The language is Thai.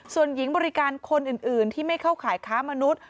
ส่วนหญิงบริการคนอื่นที่ไม่เข้าข่ายค้ามนุษย์